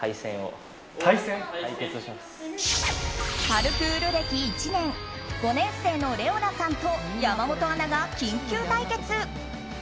パルクール歴１年５年生のレオナさんと山本アナが緊急対決！